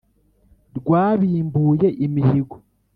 rwabimbuye imihigo.